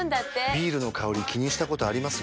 ビールの香り気にしたことあります？